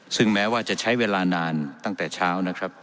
ซึ่งแม้ว่าจะใช้เวลานานตั้งแต่เช้านะครับ